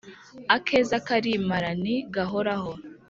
Akeza karimara nti gahoraho